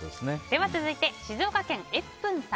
続いて、静岡県の方。